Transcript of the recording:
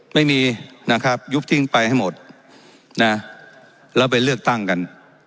ไม่มีนะครับยุบทิ้งไปให้หมดนะแล้วไปเลือกตั้งกัน